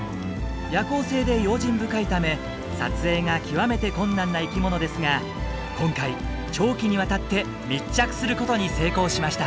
夜行性で用心深いため撮影が極めて困難な生きものですが今回長期にわたって密着することに成功しました。